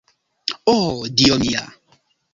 Ohh, dio mia!